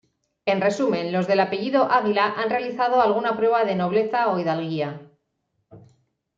En resumen, los del apellido Águila han realizado alguna prueba de nobleza o hidalguía.